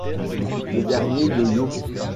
La dernière de Yo!